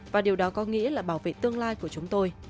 và điều đó có nghĩa là bảo vệ tương lai của chúng tôi